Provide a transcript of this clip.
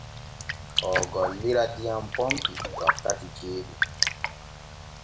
Oo gollira diyam pompi wakkati ceeɗu.